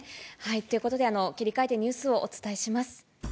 ということで、切り替えてニュースをお伝えします。